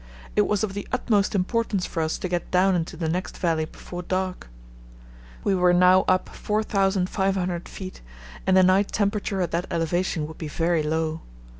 It was of the utmost importance for us to get down into the next valley before dark. We were now up 4500 ft. and the night temperature at that elevation would be very low.